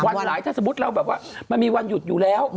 หลายถ้าสมมุติเราแบบว่ามันมีวันหยุดอยู่แล้ว